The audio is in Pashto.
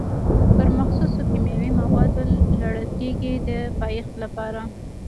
پر مخصوصو کیمیاوي موادو لړل کېږي د پایښت لپاره.